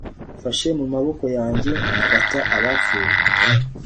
Mfashe mu maboko yanjye mfata Abapfuye